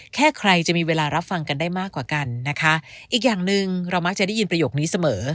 แค่ใครจะมีเวลารับฟังกันได้มากกว่ากันนะคะอีกอย่างหนึ่งเรามักจะได้ยินประโยคนี้เสมอ